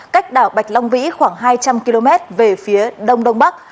cách đảo bạch long vĩ khoảng hai trăm linh km về phía đông đông bắc